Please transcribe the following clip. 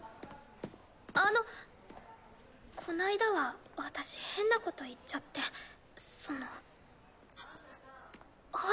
あのこないだは私変なこと言っちゃってその。あんたさ。はい？